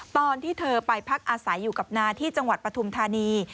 ตอนที่เธอไปพักอาศัยอยู่กับน้าที่จังหวัดปฐุมธานี